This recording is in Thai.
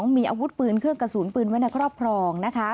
มีอาวุธปืนเครื่องกระสุนปืนไว้ในครอบครอง